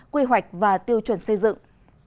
quy hoạch và tiêu chuẩn xây dựng